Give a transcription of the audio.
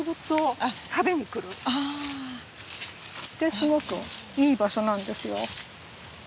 すごくいい場所なんですよ。